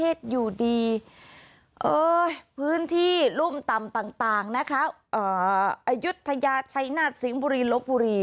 พื้นที่รุ่มต่ำต่างนะคะอายุทยาชัยนาฏสิงห์บุรีลบบุรี